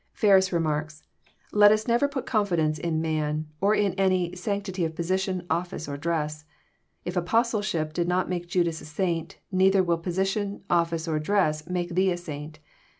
Ferus remarks :" Let us never put confidence in man, or in any sanctity of position, office, or dress. lif apostleship did not make Judas a saint, neither will position, office, or dress make thee a saint.